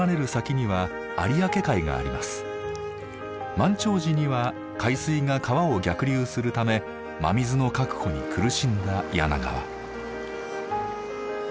満潮時には海水が川を逆流するため真水の確保に苦しんだ柳川。